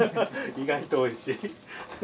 意外とおいしい。